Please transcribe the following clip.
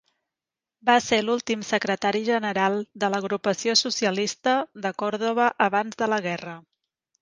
Va ser l'últim secretari general de l'Agrupació Socialista de Còrdova abans de la guerra.